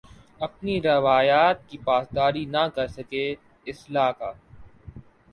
اپنی روایت کی پاسداری نہ کر سکے اصلاح کا